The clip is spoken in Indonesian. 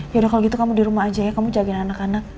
yaudah kalau gitu kamu di rumah aja ya kamu jagain anak anak